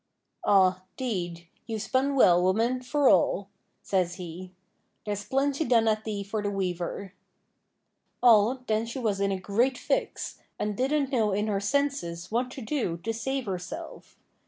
'Aw, 'deed, you've spun well, woman, for all,' says he; 'there's plenty done at thee for the weaver.' Aw, then she was in a great fix, and didn't know in her senses what to do to save herself.